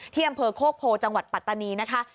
ที่อำเภอโคกโพจังหวัดปัตตานีนะคะ